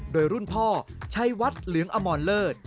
โดยรุ่นพ่อชัยวัดเหลืองอมรเลิศ